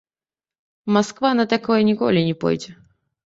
Масква на такое ніколі не пойдзе.